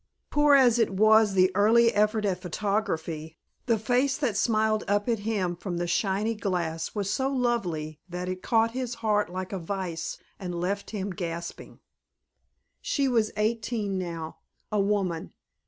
Poor as was the early effort at photography, the face that smiled up at him from the shiny glass was so lovely that it caught his heart like a vise and left him gasping. She was eighteen now—a woman!